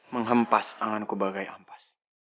menghempas anganku bagai ampas